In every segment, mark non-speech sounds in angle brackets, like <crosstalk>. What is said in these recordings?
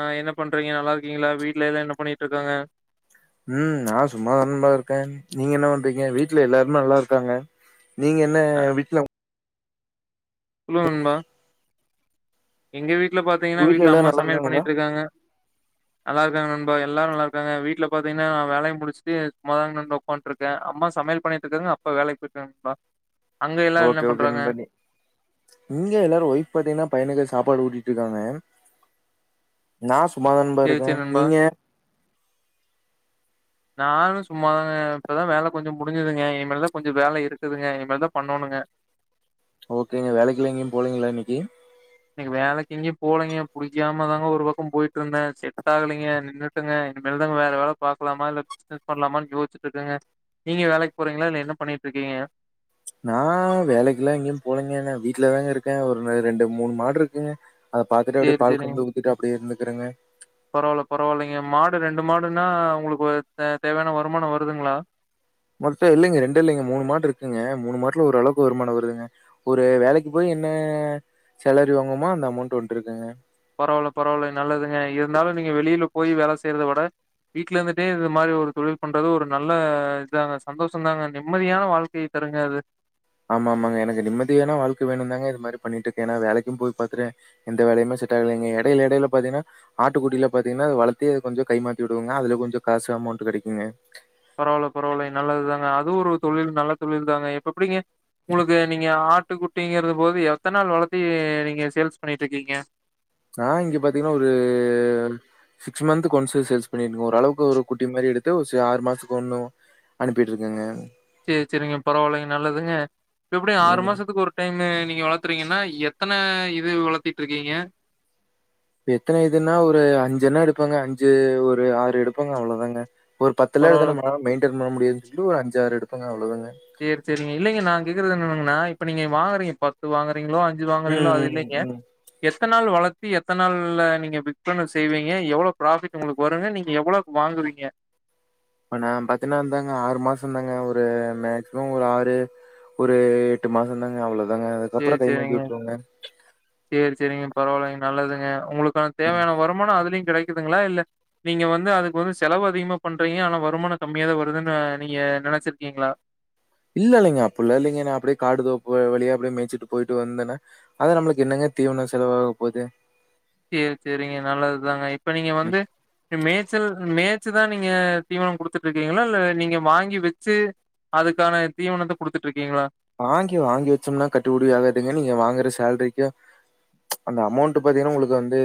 On என்ன பண்றீங்க நல்லா இருக்கீங்களா வீட்ல எதாம் என்ன பண்ணிட்டு இருக்காங்க ம் நா சும்மாதான் டா இருக்கேன் நீங்க என்ன பண்றீங்க வீட்டுல எல்லாருமே நல்லா இருக்காங்க நீங்க என்ன வீட்ல சொல்லு நண்பா எங்க வீட்டுல உங்க பாத்தீங்கன்னா வீட்ல வீட்டுல எல்லாரு அம்மா நல்லா சமையல் இருக்காங்களா பண்ணிட்டுருக்காங்க நல்லா இருக்காங்க நண்பா எல்லாரும் நல்லா இருக்காங்க வீட்டுல பாத்தீங்கன்னா வேலைய முடிச்சுட்டு சும்மா தான் நண்பா உட்கார்ந்துட்டு ருக் அம்மா சமையல் பண்ணிட்டு இருக்காங்க அப்பா வேலைக்கு போய்ருக்காங்க நண்பா அங்க எல்லாரும் என்ன ஓகே ஓகே பண்றாங்க? நண்பா நீ இங்க எல்லாரும் ஒய்ப் பாத்தீங்கன்னா பையனுக்கு சாப்பாடு ஊட்டிட்டுருக்காங்க நா சும்மாதான் நண்பா சரி, சரி இருக்கேன் நண்பா. நீங்க நானும் சும்மாதாங்க இப்பதான் வேலை கொஞ்சோ முடிஞ்சுதுங்க இனிமேல் தான் கொஞ்சம் வேலை இருக்குதுங்க இனிமே தான் பண்ணோணுங்க ஓகேங்க வேலைக்கி எங்கையும் போலீங்களா இன்னக்கீ இன்னைக்கு வேலைக்கு எங்கேயும் போலீங்க புடிக்காம தாங்க ஒரு பக்கோ போயிட்டு இருந்தே செட் ஆகலைங்க நின் னுட்டேங்க இனிமேல் தா வேற வேல பாக்கலாமா இல்ல பிசினஸ் பண்ணலாமான்னு யோசிச்சுட்டு இருக்கேங்க நீங்க வேலைக் போறீங்களா இல்ல என்ன பண்ணிட்ருக்கீங்க நா வேலைக்கு எல்லா எங்கேயு போலங்கேங்க வீட்லதாங்க இருக்கே ஒர் ரெண்டு மூணு மாடு இருக்குங்க அத பாத்துட்டு அப்டியே சேரி பால் சேரிங்க கறந்து வூத்திட்டு அப்டியே இருந்துகறேங்க பரவால்ல பரவால்லைங்க மாடு ரெண்டு மாடுன்னா உங்குளுக்கு தே தேவையான வருமான வருதுங்களா மொத்த இல்லைங்க ரெண்டு இல்லைங்க மூணு மாடு இருக்குங்க மூணு மாட்ல ஒரு அளவுக்கு வருமான வருதுங்க ஒரு வேலைக்கு போயி என்ன சேலரி வாங்குமோ அந்த அமௌண்ட் வண்ட்ருக்குங்க பரவால்ல பரவால்லங் நல்லதுங்க இருந்தாலு நீங்க வெளியில போயி வேல செய்யறத விட வீட்ல இருந்துட்டே இந்த மாரி ஒரு தொழில் பண்றது ஒரு நல்ல இதாங்க சந்தோஷந்தாங்க நிம்மதியான வாழ்க்கை <unintelligible> ஆமா ஆமாங்க எனக்கு நிம்மயான வாழ்கை வேணுன்தாங்க இது மாரி பண்ணிட்டு இருக்கே ஏன்ன வேலைக்கு போய் பாத்துட்டே எந்த வேலையுமே செட் ஆகலைங்க இடையில இடையில பாத்தீங்கனா ஆட்டுக்குட்டியில பாத்தீங்கனா வளர்த்தி அது கொஞ்சோ கைமாத்தி வுடுவங்க அதுல கொஞ்சோ காசு அமௌண்ட் கெடைக்குங்க பரவால பரவாலேங் நல்லதுதாங்க அதுவு ஒரு தொழில் நல்ல தொழில் தாங்க இப்ப எப்டிங்க உங்குளுக்கு நீங்க ஆ ட்டு குட்டிங்கிறது போது எத்தன நாள் வளத்தி நீங்க சேல்ஸ் பண்ணிட்ருக்கீங்க நா இங்க பாத்தீங்னா ஒரு சிக்ஸ் மந்த்க்கு ஒன்ஸ்சு சேல்ஸ் பண்ணியிருகங் ஓரளவுக்கு ஒரு குட்டி மாரி எடுத்து ஒ சி ஆறு மாசத்துக்கு ஒன்னு அனுப்பிட்ருக்கேங்க சேரி சேரிங்க பரவால்லேங் நல்லதுங்க இப்ப எப்டி ஆறு ம். மாசத்துக்கு ஒரு டைமு நீங்க வளத்துறீங்கனா எத்தன இது வளத்திட்ருக்கீங்க எத்தன இதுன்னா ஒரு அஞ்சென்னா எடுப்பங்க அஞ்சு ஒரு ஆறு எடுப்பங்க அவ்ளோதாங்க ஒரு பத்தெல்லா எடுத்தா பரவால்ல நம்மளால மெயின்டென் பண்ண முடியதுன் ஒரு அஞ்சாரு எடுப்பங்க அவ்ளோதாங்க சேரி சேரிங்க இல்லைங்க நா கேக்குறது என்னாதுங்குனா இப்ப நீங்க வாங்குறீங்க பத்து வாங்கற றீங்களோ அஞ்சு வாங்குறீங்களோ ம், அது ம், இல்லைங்க ம். எத்தன் நாள் வளத்தி எத்தன் நாள்ல்ல நீங்க விற்பன செய்வீங்க எவ்ளோ ப்ராஃபிட் உங்குளுக்கு வருங்க நீங்க எவ்ளோ வாங்குவீங்க இப்ப நா பாத்தீங்னா இந்தாங்க ஆறு மாசோ தாங்க ஒரு மேக்சிமம் ஒரு ஆறு ஒரு எட்டு மாசோ தாங்க அவ்ளோதாங்க சேரி சேரிங்க சேரி சேரிங்க பரவாலேங் நல்லதுங்க உங்குளுக்கா ம். தேவையான வருமானோ அதுலயு கெடைக்குதுங்களா இல்ல நீங்க வந்து அதுக்கு வந்து செலவு அதிகமா பண்றீங்க ஆனா வருமானோ கம்மியாதா வருதுன் ஆ நீங்க நெனைச்சிருக்கீங்களா இல்ல இல்லங்க அப்டில்லா இல்லைங்க நா அப்டியே காடு தோப்பு வ வழியா அப்டியே மேய்ச்சுட்டு போயிட்டு வந்தன்னா அது நம்முளுக்கு என்னங்க தீவனோ செலவாக போது சேரி சேரிங்க நல்லதுதாங்க இப்ப நீங்க ம். வந்து அ மேச்சல் ம் மேச்சு தா நீங்க தீவனோ குடுத்துட்ருக்கீங்களா இல்ல நீங்க வாங்கி வெச்சு அதுக்கான தீவனத்த குடுத்துட்ருக்கீங்களா வாங்கி வாங்கி வச்சம்னா கட்டுவுடி ஆகாதுங்க நீங்க வாங்கற சேல்ரிக்கு ப்ச் அந்த அமௌண்ட் பாத்தீங்கனா உங்குளுக்கு வந்து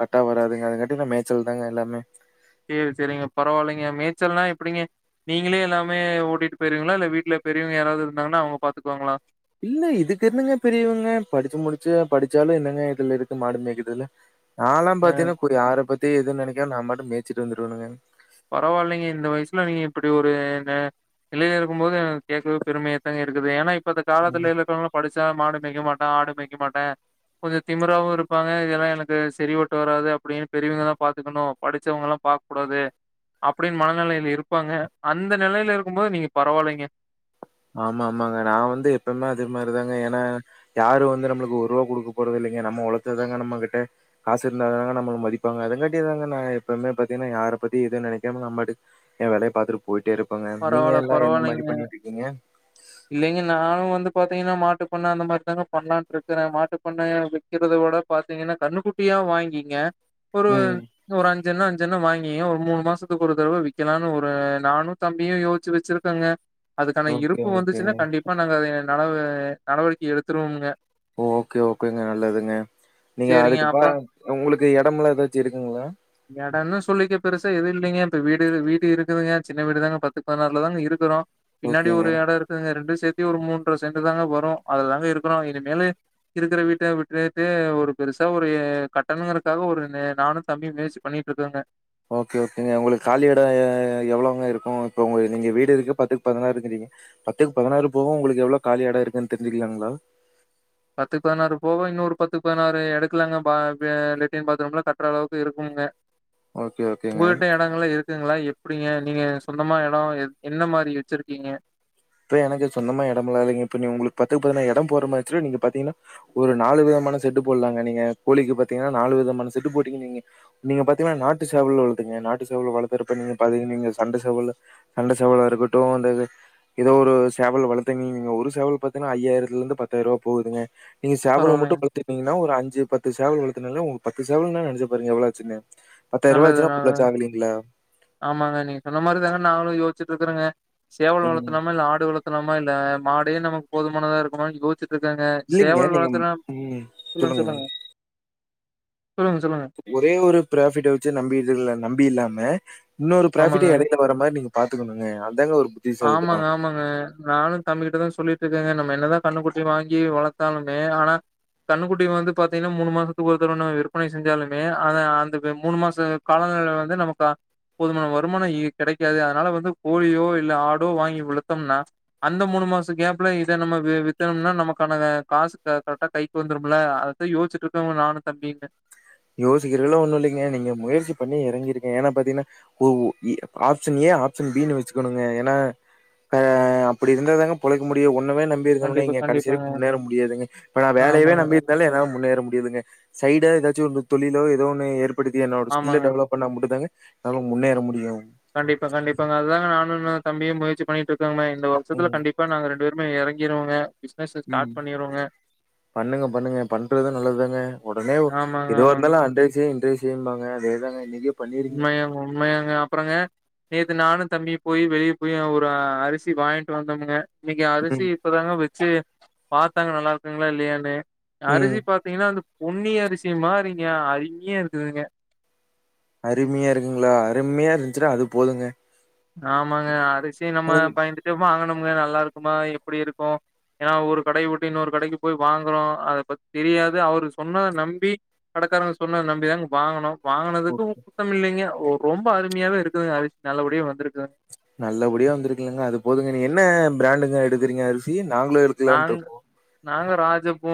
கர்ட்டா வராதுங்க அது காட்டினா மேச்சல் தாங்க எல்லாமே சேரி சேரிங்க பரவால்லேங்க மேச்சல்னா எப்டிங்க நீங்களே எல்லாமே ஓட்டிட்டு போயிருவீங்களா இல்ல வீட்ல பெரியவங்க யாராவது இருந்தாங்கனா அவுங்க பாத்துக்குவாங்களா இல்ல இதுக்கு என்னங்க பெரியவங்க படிச்சு முடிச்சு படிச்சாலு என்னங்க இதுல இருக்கு மாடு மேய்க்றதில நால்லா அ பாத்தீங்னா <unintelligible> யார பத்தி எது நெனைக்காம நா பாட்டுக் மேய்சிட் வந்துருவணுங்க பரவால்லைங்க இந்த வயசுல நீங்க இப்டி ஒரு நெ நிலையில இருக்கும் போது கேட்கவே பெருமையா தாங்க இருக்குது ஏன்னா இப்பத்த ம். காலத்துலேலா இருக்கவங்லா படிச்சா மாடு மேய்க மாட்டே ஆடு மேய்க மாட்டே கொஞ்சோ திமிறாவு இருப்பாங்க இதெல்லா எனக்கு செரிவட்டு வராது அப்டின் பெரியவங்கதா பாத்துக்குணு படிச்சவங்கெல்லா பாக் கூடாது அப்டின்னு மனநெலையில இருப்பாங்க அந்த நெலையில இருக்கும்போது நீங்க பரவாயில்லைங்க ஆமா ஆமாங்க நா வந்து எப்பயுமே அது மாரிதாங்க ஏன்னா யாரு வந்து நம்மளுக்கு ஒரு ரூவா குடுக்க போறது இல்லைங்க நம்ம உழைச்சாதாங்க நம்ம கிட்ட காசு இருந்தா தாங்க நம்மள மதிப்பாங்க அதங் காட்டிதாங்க நா எப்பயுமே பாத்தீங்கன்னா யார பத்தியு எது நெனைக்காம நா பாட்டுக்கு ஏ வேலய பாத்துட்டு போயிட்டே இருப்பங்க நீங்க பரவால்ல, எல்லா எந்த மாரி பரவாயில்லைங்க. பண்ணிட்டு இருக்கீங்க இல்லைங்க நானு வந்து பாத்தீங்கன்னா மாட்டுப்பண்ண அந்த மாரி தாங்க பண்ணலான்ட்டு இருக்கே மாட்டுப்பண்ணையா வைக்கிறத விட பாத்தீங்கன்னா கன்னுக்குட் டியா வாங்கிங்க ஒரு ம். ஒரு அஞ் சி எண்ணோ அஞ்சி எண்ணோ வாங்கியு ஒரு மூணு மாசத்துக்கு ஒரு தடவ விக்கலான்னு ஒரு நானு தம்பியு யோசிச்சி வச்சிருக்கங்க அதுக்கான ஓகே, இருப்பு ஓகேங்க. வந்துச்சுன்னா கண்டிப்பா நாங்க அத நடவ நடவடிக்கை எடுத்துருவோம்ங்க ஓகே ஓகேங்க நல்லதுங்க நீங்க சேரிங்க அதுக்கு பா அப்புறோ உங்களுக்கு எடம்லா ஏதாச்சு இருக்குங்களா எடன்னு சொல்லிக்க பெருசா எதுவு இல்லைங்க இப்ப வீடு வீடு இருக்குதுங்க சின்ன வீடுதாங்க பத்துக்கு பதினாறுலதாங்க இருக்குறோ பின்னாடி ஓகேங்க. ஒரு எடோ இருக்குதுங்க ரெண்டு சேத்தி ஒரு மூன்ற செண்டு தாங்க வரு அதுலதாங்க இருக்குறோ இனிமேலு இருக்குற வீட்ட விட்டுட்டு ஒரு பெருசா ஒரு கட்டணங்கறக்காக ஒரு நானு தம்பியு முயற்சி பண்ணிட்டு இருக்கோங்க ஓகே ஓகேங்க ஒங்களுக்கு காலி எடோ எவ்வளவுங்க இருக்கு இப்போ உங்க நீங்க வீடு இருக்கு பத்துக்கு பதுனாறுங்கிறீங்க பத்துக்கு பதினாறு போக உங்களுக்கு எவ்ளோ காலியடோ இருக்குன்னு தெரிஞ்சிக்கலாங்களா பத்துக்கு பதினாறு போக இன்னொரு பத்துக்கு பதினாறு எடுக்கலாங்க பா லெட்டின் பாத்ரூம்லா கட்டுற அளவுக்கு இருக்கும்ங்க ஓகே ஓகேங்க. உங்ககிட்ட இடங்கள்லா இருக் குங்களா எப்டிங்க நீங்க சொந்தமா எடோ எது என்ன மாரி வச்சிருக்கீங்க இப்ப எனக்கு சொந்தமா எடம்லா இல்லைங்க இப்ப நீ உங்களுக்கு பத்துக்கு பதினாறு எடம் போட்ற மார்ச்சு நீங்க பாத்தீங்கன்னா ஒரு நாலு விதமான செட்டு போடலாங்க நீங்க கோழிக்கி பாத்தீங்கன்னா நாலு விதமான செட்டு போட்டீங்க நீங்க நீங்க பாத்தீங்கன்னா நாட்டு சேவலு வளத்துக்கோங்க நாட்டு சேவலு வளக்குறப்ப நீங்க பாத்தீங்கன் நீங்க சண்ட சேவல சண்ட சேவலா இருக்கட்டு இந்த ஏதோ ஒரு சேவல் வளத்து நீங்க ஒரு சேவல் பாத்தீங்கன்னா ஐயாயிரத்துல இருந்து பத்தாயிரோ ரூவா போகுதுங்க நீங்க சேவல மட்டு பரவாயில்லைங்க. வளத்துனீங்கன்னா ஒரு அஞ்சி பத்து சேவல் வளத்துனாலே உங்க பத்து சேவல்ன்னா நெனைச்சி பாருங்க எவ்வளாச்சின்னு நல்லது நல்லது ஆமாங்க நீங்க சொன்ன மாரி தாங்க நாங்களு யோசிச்சுட்டு இருக்குறோங்க சேவல் ம். வளத்தலாம இல்ல ஆடு வளத்தலாம இல்ல மாடே நமக்கு போதுமானதா இருக்குமான்னு யோஸ்ச்சி இருக்கேங்க இல்லைங்க. சேவல் நீங்க வளத்தலா ம். சொல்லுங்க சொல்லுங்க சொல்லுங்க சொல்லுங்க ஒரே ஒரு ப்ராபிட்ட வச்சி நம்பி இது இல்ல நம்பி இல்லாம இன்னொரு ஆமாங்க. ப்ராபிட்ட எடையில வர்ற மாரி நீங்க பாத்துக்கணுங்க அதாங்க ஒரு புத் ஆமாங்க ஆமாங்க ஆ நானு தம்பி கிட்டதா சொல்லிட்டு இருக்கேங்க நம்ம என்னதா கன்னுகுட்டி வாங்கி வளத்தாலுமே ஆனா கன்னுக்குட்டி வந்து பாத்தீங்கன்னா மூணு மாசத்துக்கு ஒரு தவண விற்பனை செஞ்சாலுமே அந்த அந்த மூணு மாச காலநில வந்து நமக்கு போதுமான வருமானோ இரு கெடைக்காது அதனால வந்து கோழியோ இல்ல ஆடோ வாங்கி வளுத்தம்னா அந்த மூணு மாச கேப்ல இத நம்ம வி வித்தனும்னா நமக்கான வே காசு கரெக்டா கை க்கு வந்துரும்ல அதத்தா யோஸ்ச்சிட்டு இருக்கோங்க நானு தம்பியுங்க யோசிக்கிறதுக்லா ஒண்ணு இல்லைங்க நீங்க முயற்சி பண்ணி இறங்கிருங்க ஏன்னா பாத்தீங்கன்னா ஓ ஏ ஆப்ஷன் ஏ ஆப்ஷன் பின்னு வச்சுக்கணுங்க ஏன்னா ஆ அப்டி இருந்தாதாங்க பொழைக்க முடியு ஒன்னவே நம் பி இருந்தோம்ன்னு கண்டிப்பா, வைங்க கடைசி கண்டிப்பாங்க. வரைக்கு முன்னேற முடியாதுங்க இப்ப நா வேலையவே ஆமாங்க, நம்பியிருந்தாலே என்னால முன்னேற முடியாதுங்க சைடா ஏதாச்சு ஒரு தொழிலோ ஏதோ ஒன்னு ஏற்படுத்தி என்னோட ஆமாங்க. ஸ்கில்ல டெவலப் பண்ணா மட்டுந்தாங்க என்னால முன்னேற முடியு கண்டிப்பா கண்டிப்பாங்க அதுதாங்க நானு தம்பியே முயற்சி பண்ணிட்ருக்கோங்க இந்த வருஷத்துல ம் கண்டிப்பா நாங்க ரெண்டு பேருமே எறங் கிறோவங்க ம். ஸ்டார்ட் பண்ணிருவோங்க பண்ணுங்க பண்ணுங்க பண்றது நல்லதுதாங்க ஒடனே ஆமாங்க, ஆமாங்க. எதுவாருந்தாலு அன்ரே செய் இன்ரே செய் சேம்தாங்க அதேதாங்க இன்னைக்கு உண்மையங்க உண்மையங்க அப்பறோங்க நேத்து நானு தம்பி போய் வெளியே போய் அ ஒரு அரிசி வாங்ட்டு வந்தோமுங்க இன்னைக்கி அரிசி ம் இப்பதாங்க வெச்சு பாத்தாங்க நல்லாருக்குங்களா இல்லையன்னனு அரிசி ம் பாத் பாத்தீங்கன்னா அந்த பொன்னி அரிசி மாறிங்க அருமையா இருக்குதுங்க அருமையா இருக்குங்களா அருமையா இருந்துன்னா அது போதுங்க ஆமாங்க அரிசி நம்ம ம் பயந்துட்டே வாங்கணுமுங்க நல்லா இருக்குமா எப்பிடி இருக்கு ஏன்னா ஒரு கடை விட்டு இன்னொரு கடைக்கி போய் வாங்குறோ அத பத் தெரியாது அவரு சொன்னத நம்பி கடைக்காரங்க சொன்னத நம்பிதாங்க வாங்கணோ ஒ வாங்கனதுக்கு <inaudible> இல்லைங்க ரொ ரொம்ப அருமையாவே இருக்குது அரிசி நல்லபடியு வந்திருக்குதுங்க நல்லபடியா வந்துருக்குல்லங்க அது போதுங்க நீ என்ன பிராண்டுங்க எடுக்குறீங்க அரிசி நாங்களு எடுக்கலான்ட்டு நாங்க இருக்கோம். நாங்க ராஜபொ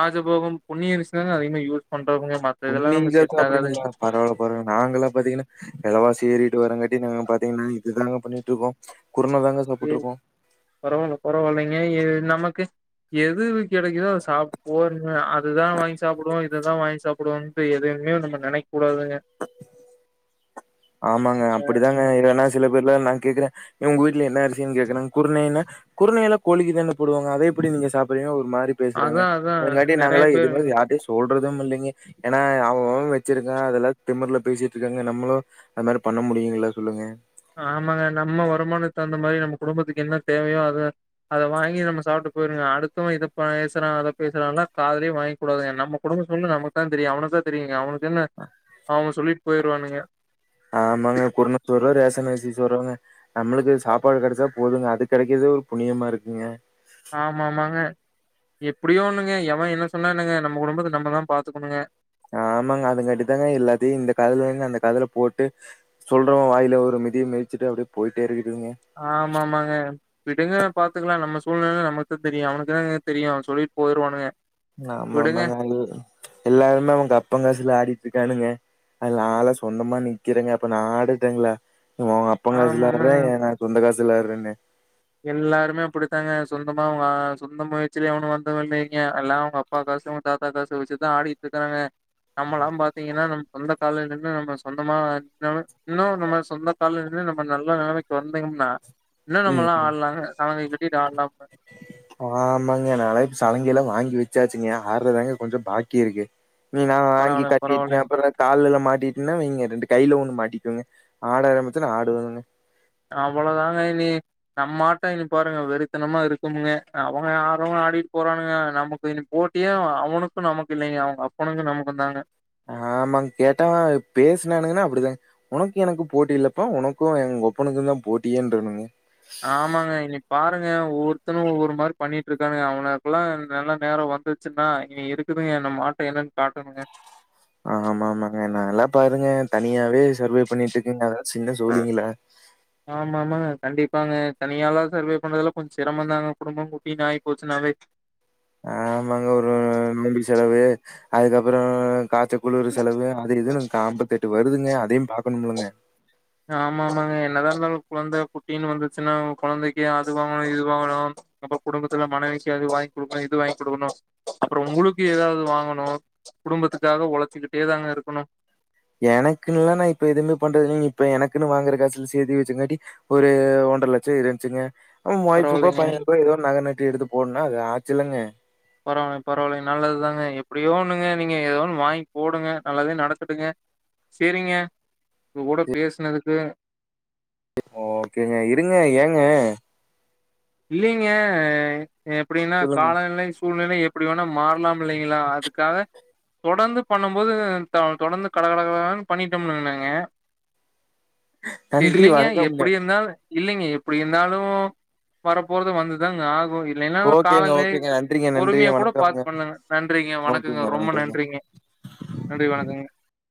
ராஜபோகோம் பொன்னியரிதாங்க அதிகமா யூஸ் பண்றோம்முங்க மா பொன்னிங்கறத சாப்புடுறீங்களா பரவால்ல லங்க நாங்கல்லா பாத்தீங்கன்னா வெல் வாசி எறிக்கிட்டுவரங்காட்டியு நாங்க பாத்தீங்கன்னா இதுதாங்க பண்ணிட்டுருக்கோ குருனதாங்க ஏ பரவால்ல பரவால்லைங்க ஏ நமக்கு எதேது கெடைக்குதோ அத சாப் போறுங்க அதுதா வாங்கி சாப்புடுவோ இதுதா வாங்கி சாப்புடுவோங் ட்டு எதவுமே நம்ப நெனைக்க கூடாதுங்க ஆமாங்க அப்படிதாங்க ஏன்னா சில பேர்ல என்ன கேக்குறே உங்க வீட்ல என்ன அரிசின்னு கேக்குறாங்க குருனைன்னா குருனையெல்லா கோழிக்கி தான போடுவாங்க அத எப்பிடி நீங்க சாப்புரிங்க ஒரு மாரி பேசுறாங்க அதா அதா அதங்காட்டி நெறைய நாங்களா பேர் எதுமு யாரட்டையு சொல்றதுமில்லைங்க ஏன்னா அவ அவ வச்சிருக்கா அதெல்லா திமிர்ல பேசிட்டுருக்காங்க நம்மளு அது மாதிரி பண்ண முடியுங்களா சொல்லுங்க ஆமாங்க நம்ம வருமானம் தகுந்த மாரி நம்ம குடும்பத்துக்கு என்ன தேவையோ அதுதா அதை வாங்கி நம்ம சாப்பிட்டு போயிருனுங்க அடுத்தவ இதப் பா பேசுறா அத பேசுறான்லா காதுலய வாங் கூடாதுங்க நம்ம குடும்பம் ஃபுல்லு நமக்கு தா தெரியு அவன தா செரிங்க அவனுக்கு என்ன அவ சொல்லிட்டு போயிருவானுங்க போறோ ரேஷன் அரசி சோறோங்க நம்மளுக்கு சாப்பாடு கெடைச்சா போதுங்க அது கிடைக்கறதே ஒரு புனியம்மா இருக்குங்க ஆமா ஆமாங்க எப்டியோன ஒண்ணுங்க எவ என்ன சொன்னான்னங்க நம்ம குடும்பத்த நம்மதா பாத்துக்கணுங்க ஆமாங்க அதுங்காட்டி தாங்க எல்லத்த இந்த கதல வாங்கி அந்த கதல போட்டு சொல்றவங்க வாயில ஒரு மிதி மிதிச்சுட்டு அப்டியே போய்கிட்டே இருங்கனுங்க ஆமா ஆமாங்க விடுங்கங்க பாத்துக்கலா நம்ம சூழ்நெல நமக்கு தெரியு அவனுக்கு என்னங்க தெரியு சொல்லிட்டு போய்ருவானுங்க ஆமாமாங்க எல் எல்லாருமே அவுங்க அப்பங்காசுல ஆடிட்டு இருக்கானுங்க அது நான்ல சொந்தமா நிக்கிறேங்க அப்ப நா ஆடுட்டேங்களா உங் அப் ப்பன் ஆமா காசுலா ஆமாங்க ஆடுறே நா ஏ சொந்த காசுல ஆடுறேன்னு எல்லாருமே அப்படித்தாங்க சொந்தமா அவங்க சொந்த முயற்சியல எவன்னு வந்தவே இல்லைங்க எல்லா அவுங்க அப் பா காசுலயு அவங்க தாத்தா காசு வச்சுதா ஆடிட்டு இருக்கறாங்க நம்மளா பாத்தீங்கன்னா நம்ம சொந்த கால்ல நின்னு நம்ம சொந்தமா நவு இன்னு நம்ம சொந்த கால்ல இருந்தே நம்ம நல்ல நெலைமைக்கு வந்துருனா ம் லலா ம். ஆடலாங்க சலங்கைய கட்டிட்டு ஆட்லாப <inaudible> ஆமாங்க நாளைக் சலங்கை எல்லா வாங்கி வச்சாச்சுங்க ஆட்றதாங்க கொஞ்சோ பாக்கி இருக்கு நீ நா வாங்கி பரவால்ல கட்டிட்ன பரவால்லைங்க அப்புற காலுல மாட்டிட்டுன்னா நீங்க ரெண்டு கையில ஒன்னும மாட்டிக்கோங்க ஆட ஆரமிச்சனா ஆடுவனுங்க அவ்வளோ தாங்க இனக்கி நம்ம ஆட்டோ இனி பாருங்க வெறித்தனமா இருக்குமுங்க அவங்க ஆரவங்க ஆடிட்டு போறானுங்க நமக்கு இனி போட்டியே அவனுக்கு நமக்கு இல்லைங்க அவங்க அப்பனுக்கு நமக்கு தாங்க ஆமாங் கேட்டாங்க பேசுனானுங்கன்னா அப்டிதா உனக்கு எனக்கு போட்டி இல்லப்பா உனக்கு எங்கொப்பனுக்கு தா போட்டியேன்றனுங்க ஆமாங்க இனி பாருங்க ஒவ்வொருத்தனு ஒவ்வொரு மாரி பண்ணிட்ருக்கானுங்க அவனுகளுக்குலா நல்ல நேரம் வந்து ச்சுன்னா இனி இருக்குதுங்க நம்மாட்டோ என்னன் காட்டணுங்க ஆமா ஆமாங்க நல்லா பாருங்க தனியாவே சர்வே பண்ணிட்ருக்குங்க அதா சின்ன சொல்றீங்களா ஆமா ஆமாங்க கண்டிப்பாங்க தனியாலா சர்வே பண்றதுல கொஞ்சோ சிரமந்தாங்க குடும்போ குட்டின் ஆயிபோச்சுனாவே ஆமாங்க ஒரு மிம்பிக் செலவு அதுக்கப்பறோ காச்ச குளுரு செலவு அது இதுனு காம்பத்தெட்டு வருதுங்க அதையு பாக்கணுமிலுங்க ஆமா ஆமாங்க என்னதா இருந்தாலு குழந்த குட்டின்னு வந்துச்சுன்னா கொழந்தைக்கு அது வாங்கணு இது வாங்கணு அப்ப குடும்பத்துல மனைவிக்கு அது வாங்கி குடுக்கணு இது வாங்கி குடுக்கணு அப்பறோ உங்களுக்கு ஏதாவது வாங்கணு குடும்பத்துக்காக ஒழச்சிக்கிட்டே தாங்க இருக்கணு எனக்குன்னல்லா நா இப்ப எதுவுமே பண்றது இல்லங்க இப்ப எனக்குன்னு வாங்குற காசுல சேத்து வச்சுங்காட்டி ஒரு ஒன்ற லச்சோ இருஞ்சுங்க ம் வைஃபுகோ பரவாயில்லைங்க. பையனுக்கோ ஏதோ நகை நட்டு எடுத்து போடுனா அது ஆச்சுல்லங்க பரவால்ல பரவால்லைங்க நல்லதுதாங்க எப்டியோ ஒண்ணுங்க நீங்க ஏதோ ஒன்னு வாங்கி போடுங்க நல்லதே நடக்கட்டுங்க செரிங்க உங்க கூட பேசுனதுக்கு ஓக்கேங்க இருங்க ஏங்க இல்லைங்க எப்டின்னா சொல்லுங்க. காலநிலை சூழ்நிலை எப் டி வேணா மாறலாம் இல்லைங்களா அதுக்காக தொடந்து பண்ணம் போதுக தா தொடந்து கட கட கரகரனு பண்ணிட்டோம்னுனேங்களே நன்றி, தெர்லிங்க வணக்கம்ங்க. எப்டி இருந்தால் இல்லங்க எப்டி இந்தாலு வரப்போறது வந்துதாங்க ஆகூ இல்லேனாலு ஓகேங்க, ஓகேங்க. காலங்களின நன்றிங்க, நன்றி, பொறுமையா கூட வணக்கம்ங்க. பாத்து பண்ணுங்க நன்றிங்க வணக்கங்க ரொம்ப நன்றிங்க நன்றி வணக்கங்க